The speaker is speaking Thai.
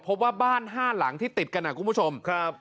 พบว่าบ้าน๕หลังที่ติดกันคุณผู้ชมครับ